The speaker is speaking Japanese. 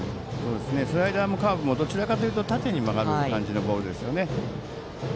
スライダーもカーブもどちらかというと縦に曲がる感じのボールですよね。